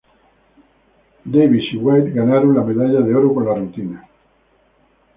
Davis y White ganaron la medalla de oro con la rutina.